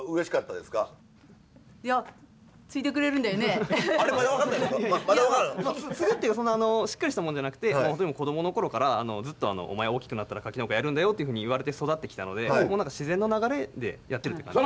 継ぐっていうそんなしっかりしたもんじゃなくて子供のころからずっと「お前は大きくなったら柿農家やるんだよ」っていうふうに言われて育ってきたので自然の流れでやってるって感じです。